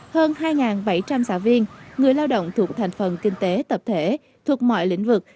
hơn hai bảy trăm linh xã viên người lao động thuộc thành phần kinh tế tập thể thuộc mọi lĩnh vực